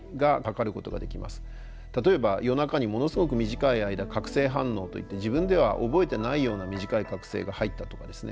例えば夜中にものすごく短い間覚醒反応といって自分では覚えてないような短い覚醒が入ったとかですね